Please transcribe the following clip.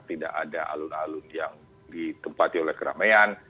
tidak ada alun alun yang ditempati oleh keramaian